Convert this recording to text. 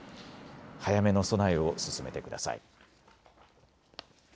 早めの備えを進めてください。